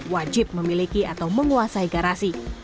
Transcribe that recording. wajib memiliki atau menguasai garasi